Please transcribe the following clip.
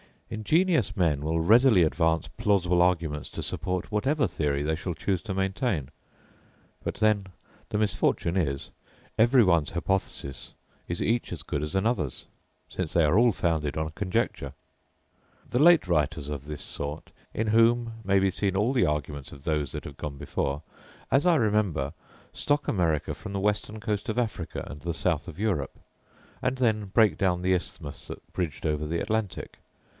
Ingenious men will readily advance plausible arguments to support whatever theory they shall choose to maintain; but then the misfortune is, every one's hypothesis is each as good as another's, since they are all founded on conjecture. The late writers of this sort, in whom may be seen all the arguments of those that have gone before, as I remember, stock America from the western coast of Africa and the south of Europe; and then break down the Isthmus that bridged over the Atlantic.